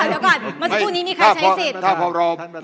เดี๋ยวก่อนเมื่อสักครู่นี้มีใครใช้สิทธิ์ครับผม